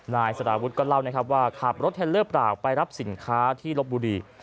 นายสาราวุฒิก็เล่าว่าขับรถเทลเลอร์ปราวไปรับสินค้าที่รถบุรี